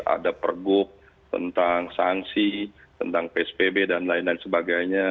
ada pergub tentang sanksi tentang psbb dan lain lain sebagainya